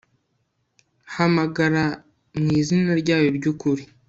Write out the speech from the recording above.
hamagara mwizina ryayo ryukuri